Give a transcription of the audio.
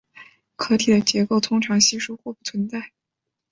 壳体的结节通常稀疏或不存在。